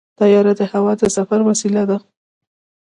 طیاره د هوا د سفر وسیله ده.